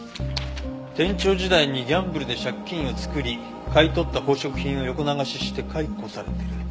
店長時代にギャンブルで借金を作り買い取った宝飾品を横流しして解雇されている。